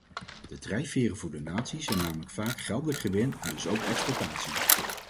De drijfveren voor donatie zijn namelijk vaak geldelijk gewin en dus ook exploitatie.